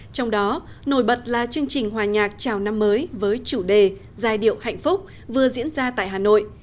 trong đó nổi bật là chương trình hòa nhạc chào năm mới với chủ đề giai điệu hạnh phúc vừa diễn ra tại hà nội